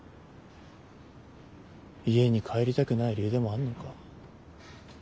家に帰りたくない理由でもあんのか？